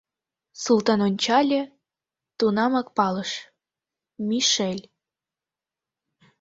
Султан ончале, тунамак палыш: Мишель.